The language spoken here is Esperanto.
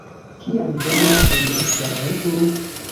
Kial do ne en Esperanto?